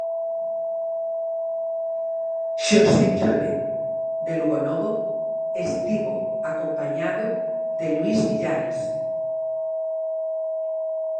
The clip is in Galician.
Xosé Chorén, de Lugonovo, estivo acompañado de Luís Villares.